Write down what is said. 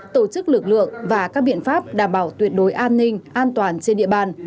tổ chức lực lượng và các biện pháp đảm bảo tuyệt đối an ninh an toàn trên địa bàn